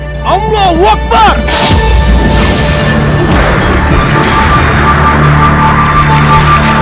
itu tidak untuk membuatmu marah atau lemah